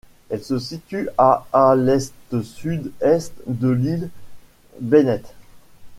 Elle se situe à à l'est-sud-est de l'île Bennett.